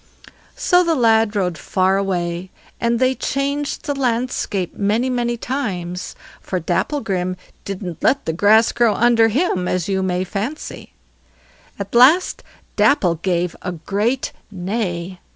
So the lad rode far away, and they changed the landscape many many times, for Dapplegrim didn't let the grass grow under him, as you may fancy. At last Dapple gave a great neigh.